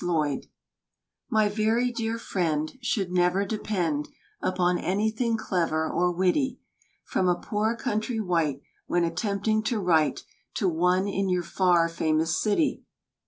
LLOYD My very dear friend Should never depend Upon anything clever or witty, From a poor country wight When attempting to write, To one in your far famous city.